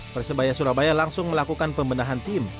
persebaya surabaya langsung melakukan pembenahan tim